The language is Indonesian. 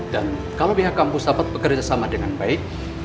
dan kalau biar kampus dapat bekerjasama dengan baik